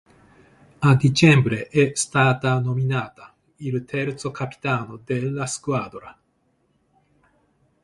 A dicembre è stata nominata il terzo capitano della squadra.